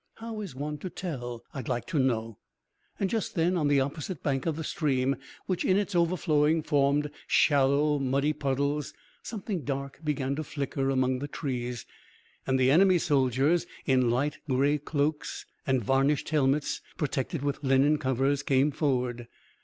How is one to tell I'd like to know." Just then on the opposite bank of the stream which in its overflowing formed shallow muddy puddles something dark began to flicker among the trees, and the enemy soldiers in light grey cloaks, and varnished helmets protected with linen covers came forward.